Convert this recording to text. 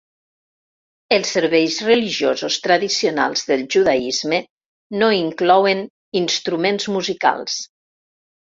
Els serveis religiosos tradicionals del judaisme no inclouen instruments musicals.